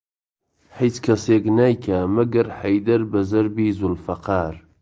هیچ کەسێک نایکا مەگەر حەیدەر بە زەربی زولفەقار